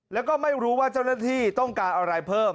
แล้วก็ไม่รู้ว่าเจ้าหน้าที่ต้องการอะไรเพิ่ม